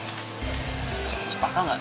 masih pakal enggak